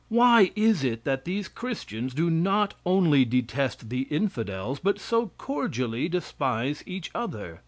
Why is it that these Christians do not only detest the infidels, but so cordially despise each other?